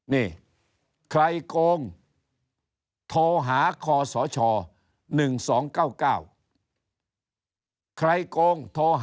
นี่ใครโกงทอหาคสน๑๒๙๙